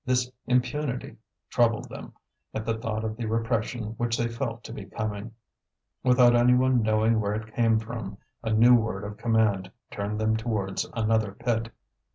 This impunity troubled them, at the thought of the repression which they felt to be coming. Without any one knowing where it came from, a new word of command turned them towards another pit.